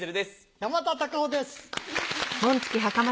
山田隆夫です。